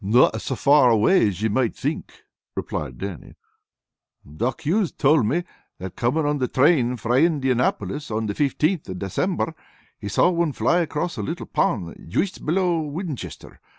"No' so far away as ye might think," replied Dannie. "Doc Hues told me that coming on the train frae Indianapolis on the fifteenth of December, he saw one fly across a little pond juist below Winchester.